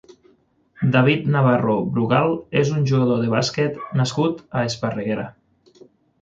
David Navarro Brugal és un jugador de bàsquet nascut a Esparreguera.